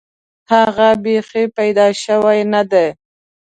هغه بیخي پیدا شوی نه دی.